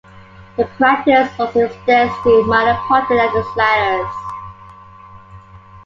The practice also extends to minor party legislators.